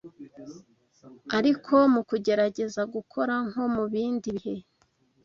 ariko mu kugerageza gukora nko mu bindi bihe